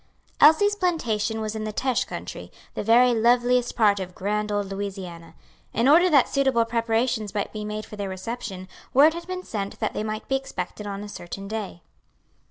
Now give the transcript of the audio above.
Elsie's plantation was in the Teche country, the very loveliest part of grand old Louisiana. In order that suitable preparations might be made for their reception, word had been sent that they might be expected on a certain day.